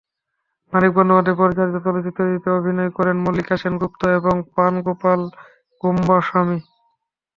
মানিক বন্দ্যোপাধ্যায় পরিচালিত চলচ্চিত্রটিতে অভিনয় করেন মল্লিকা সেনগুপ্ত এবং প্রাণগোপাল গোস্বামী।